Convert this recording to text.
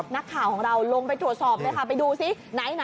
นักข่าวของเราลงไปตรวจสอบเลยค่ะไปดูซิไหน